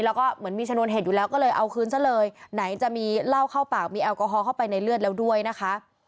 แล้วก็เหมือนมีชนวนเหตุอยู่แล้วก็เลยเอาคืนซะเลยไหนจะมีเหล้าเข้าปากมีแอลกอฮอลเข้าไปในเลือดแล้วด้วยนะคะ